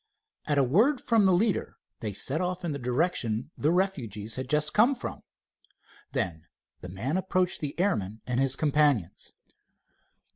At a word from the leader they set off in the direction the refugees had just come from. Then the man approached the airman and his companions.